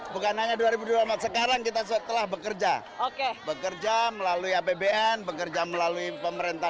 bukan hanya dua ribu dua puluh empat sekarang kita setelah bekerja oke bekerja bekerja melalui apbn bekerja melalui pemerintah